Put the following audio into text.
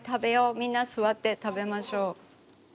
みんな座って食べましょう。